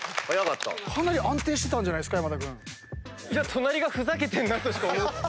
隣がふざけてんなとしか。